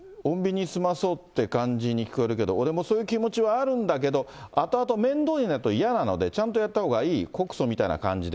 ただこれね、穏便に済まそうって感じに聞こえるけど、俺もそういう気持ちはあるんだけど、あとあと面倒になると嫌なので、ちゃんとやったほうがいい、告訴みたいな感じで。